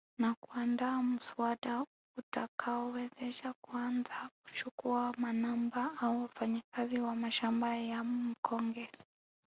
Na kuandaa muswada utakaowezesha kuanza kuchukua manamba au wafanyakazi wa mashamba ya mkonge